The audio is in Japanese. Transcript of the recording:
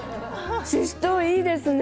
ししとうが、いいですね。